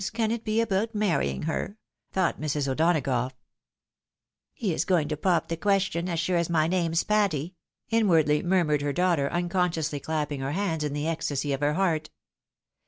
Can it be about marrying her?" thought Mrs. O'Donagough. " He is going to pop the question as sure as my name's Patty !" inwardly murmured he? daughter, vmconsoiously clap ping her hands in the ecstasy of her heart.